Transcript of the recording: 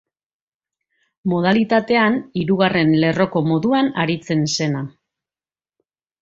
Modalitatean hirugarren lerroko moduan aritzen zena.